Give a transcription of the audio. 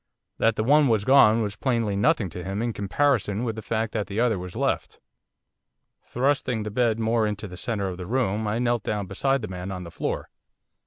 That the one was gone was plainly nothing to him in comparison with the fact that the other was left. Thrusting the bed more into the centre of the room I knelt down beside the man on the floor.